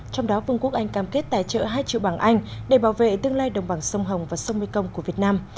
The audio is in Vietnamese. trong đó vương quốc anh cam kết tài trợ hai triệu bằng anh để bảo vệ tương lai đồng bằng sông hồng và sông mê công của việt nam